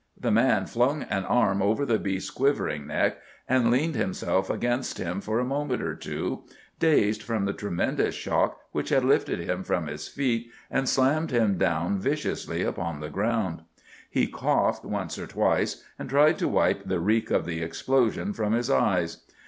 The man flung an arm over the beast's quivering neck and leaned himself against him for a moment or two, dazed from the tremendous shock which had lifted him from his feet and slammed him down viciously upon the ground. He coughed once or twice, and tried to wipe the reek of the explosion from his eyes.